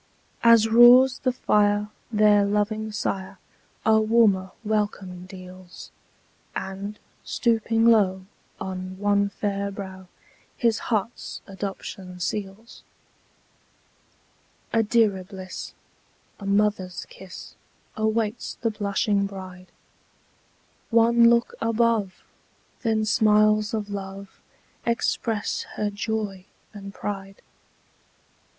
As roars the fire, their loving sire A warmer welcome deals; And, stooping low, on one fair brow His heart's adoption seals. A dearer bliss, a mother's kiss, Awaits the blushing bride: One look above! then smiles of love Express her joy and pride.